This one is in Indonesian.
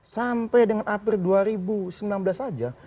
sampai dengan april dua ribu sembilan belas saja